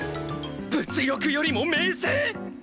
物欲よりも名声！？